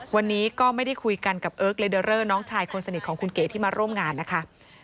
วันนี้ก็ไม่ได้คุยกันกับเอิร์กเลเดอเรอร์น้องชายคนสนิทของคุณเก๋ที่มาร่วมงานนะคะ